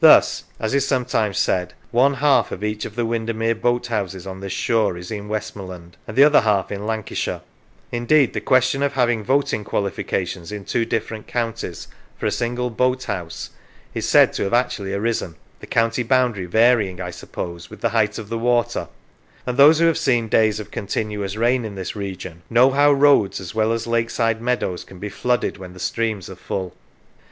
Thus, as is sometimes said, one half of each of the Winder mere boat houses on this shore is in Westmorland, and the other half in Lancashire : indeed, the question of having voting qualifications in two different counties for a single boat house is said to have actually arisen, the county boundary varying, I suppose, with the height of the water; and those who have seen days of continuous rain in this region know how roads, as well as lakeside meadows, can be flooded when the streams are full.